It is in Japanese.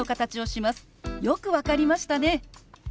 「よく分かりましたね！」。